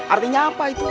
artinya apa itu